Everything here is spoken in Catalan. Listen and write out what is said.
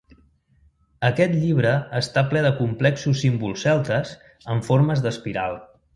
Aquest llibre està ple de complexos símbols celtes amb formes d'espiral.